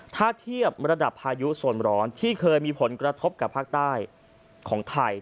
ถ้าเทียบระดับพายุโซนร้อนที่เคยมีผลกระทบกับภาคใต้ของไทย